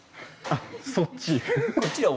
あっそっち？